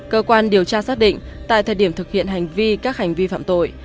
cơ quan điều tra xác định tại thời điểm thực hiện hành vi các hành vi phạm tội